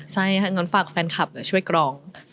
ใช่ค่ะงั้นฝากแฟนคลับช่วยกรอง